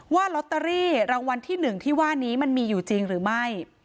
ว่าลอตเตอรี่รางวัลที่๑ที่ว่านี้มันมีอยู่จริงหรือไม่